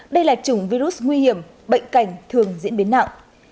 đây là chủng virus nguy hiểm bệnh cảnh thường nguy hiểm